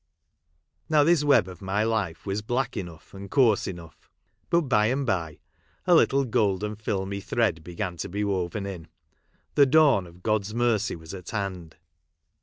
Now this web of my life was black enough and coarse enough ; but by and by, a little golden filmy thread began to be woven in ; the dawn of God's mercy was at hand.